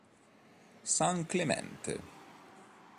San Clemente